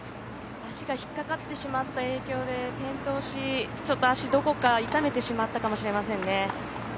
足が引っかかってしまった影響で転倒し、ちょっと足、どこか痛めてしまったかもしれませんね。